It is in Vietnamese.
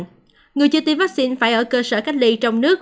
tuy nhiên người chưa tiêm vaccine phải ở cơ sở cách ly trong nước